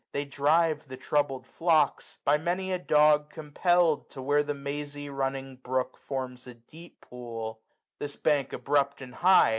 They drive the troubled flocks, by many a dog Compeird, to where the mazy running brook Forms a deep pool ; this bank abrupt and high.